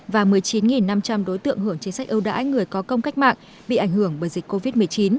và một mươi chín năm trăm linh đối tượng hưởng chính sách ưu đãi người có công cách mạng bị ảnh hưởng bởi dịch covid một mươi chín